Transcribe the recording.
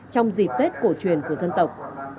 trong dịp tết cổ truyền của dân tộc